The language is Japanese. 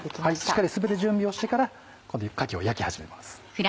しっかり全て準備をしてからここでかきを焼き始めます。